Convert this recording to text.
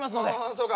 そうか。